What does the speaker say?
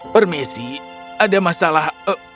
permisi ada masalah